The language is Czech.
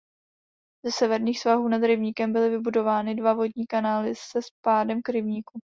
Ze severních svahů nad rybníkem byly vybudovány dva vodní kanály se spádem k rybníku.